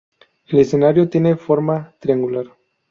El escenario tiene forma triangular.